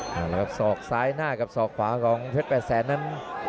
เอาละครับศอกซ้ายหน้ากับศอกขวาของเพชรแปดแสนนั้น